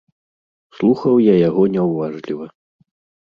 Слухаў я яго няўважліва.